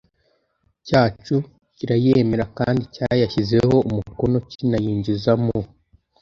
cyacu kirayemera kandi cyayashyizeho umukono, kinayinjiza mu